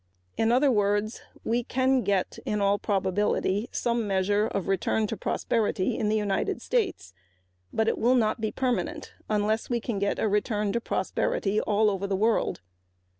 In other words, we can get, in all probability, a fair measure of prosperity to return in the United States, but it will not be permanent unless we get a return to prosperity all over the world.